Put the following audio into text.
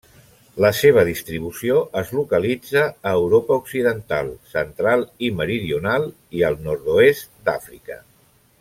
La seva distribució es localitza a Europa occidental, central i meridional i el nord-oest d'Àfrica.